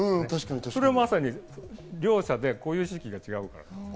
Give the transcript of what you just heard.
それはまさに両者で固有周期が違うから。